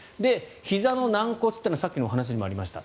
ひざの軟骨というのは先ほどのお話にもありました